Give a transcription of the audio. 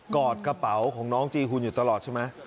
อดกระเป๋าของน้องจีหุ่นอยู่ตลอดใช่ไหม